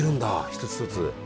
一つ一つ。